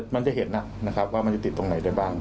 มันจะเห็นนะครับว่ามันจะติดตรงไหนได้บ้าง